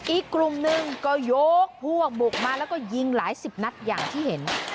อีกกลุ่มหนึ่งก็ยกพวกบุกมาแล้วก็ยิงหลายสิบนัดอย่างที่เห็น